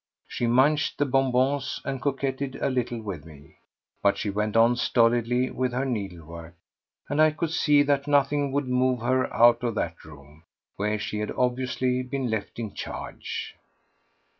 She munched the bonbons and coquetted a little with me. But she went on stolidly with her needlework, and I could see that nothing would move her out of that room, where she had obviously been left in charge.